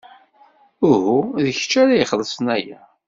Uhu, d kecc ara ixellṣen aya.